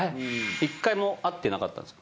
一回も会ってなかったんですか？